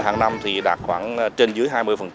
hàng năm đạt khoảng trên dưới hai mươi